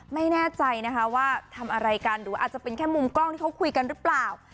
ไม่แน่ใจนะคะว่าทำอะไรกันหรืออาจจะเป็นแค่มุมกล้องที่เขาคุยกันหรือเปล่า